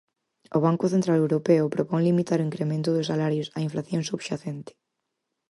O Banco Central Europeo propón limitar o incremento dos salarios á inflación subxacente.